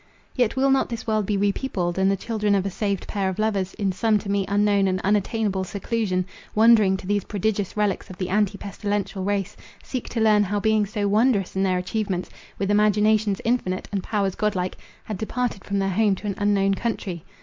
Yet, will not this world be re peopled, and the children of a saved pair of lovers, in some to me unknown and unattainable seclusion, wandering to these prodigious relics of the ante pestilential race, seek to learn how beings so wondrous in their achievements, with imaginations infinite, and powers godlike, had departed from their home to an unknown country?